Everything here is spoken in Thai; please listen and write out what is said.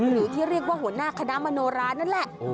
หรือที่เรียกว่าหัวหน้าคณะมโนรานั่นแหละ